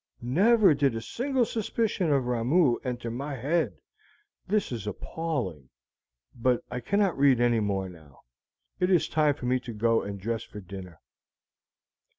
Never did a single suspicion of Ramoo enter my head. This is appalling; but I cannot read any more now. It is time for me to go and dress for dinner."